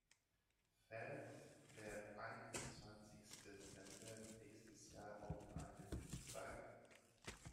Fällt der einundzwanzigste November nächstes Jahr auf einen Dienstag?